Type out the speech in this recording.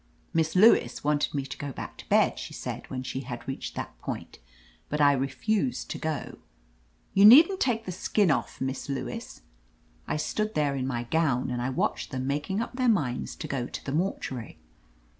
"Miss Lewis wanted me to go back to bed," she said, when she had reached that point, *'but I refused to go. (You needn't take the skin off, Miss Lewis.) I stood there in my gown, and I watched them making up their minds to go to the mortuary.